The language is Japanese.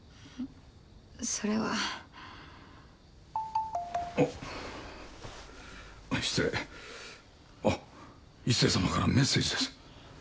それはあっ失礼あっ壱成様からメッセージです